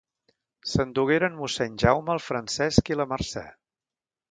Se'n dugueren mossèn Jaume, el Francesc i la Mercè.